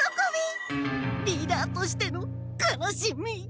リーダーとしての悲しみ。